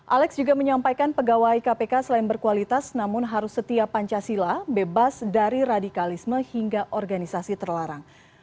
alex juga menyampaikan pegawai kpk selain berkualitas namun harus setia pancasila bebas dari radikalisme hingga organisasi terlarang